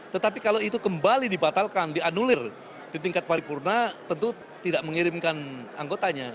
tetapi kalau itu kembali dibatalkan dianulir di tingkat paripurna tentu tidak mengirimkan anggotanya